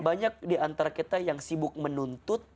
banyak diantara kita yang sibuk menuntut